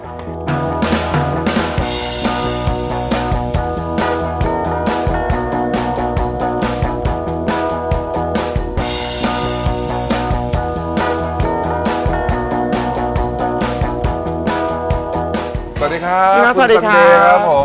สวัสดีครับคุณซันเดย์ครับ